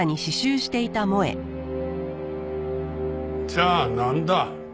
じゃあなんだ。